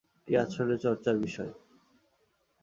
এটি আসলে চর্চার বিষয়।